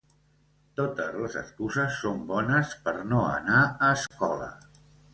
Totes les excuses són bones per no anar a escola.